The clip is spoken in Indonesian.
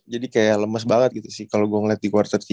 jadi kayak lemes banget gitu sih kalau gue ngeliat di quarter tiga